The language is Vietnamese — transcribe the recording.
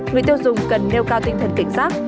người tiêu dùng cần nêu cao tinh thần cảnh giác